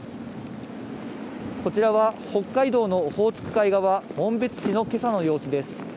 こちらは北海道のオホーツク海側、紋別市のけさの様子です。